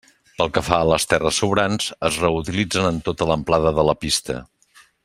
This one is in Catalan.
Pel que fa a les terres sobrants, es reutilitzen en tota l'amplada de la pista.